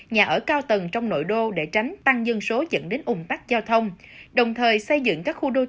nhà ở cao tầng trong nội đô để tránh tăng dân số dẫn đến ủng tắc giao thông